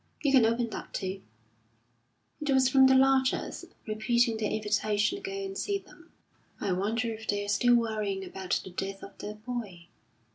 "You can open that, too." It was from the Larchers, repeating their invitation to go and see them. "I wonder if they're still worrying about the death of their boy?"